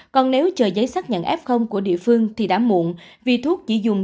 còn nếu chờ giấy xác nhận f của địa phương thì đã muộn vì thuốc chỉ dùng